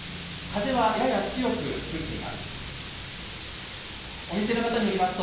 風はやや強く吹いています。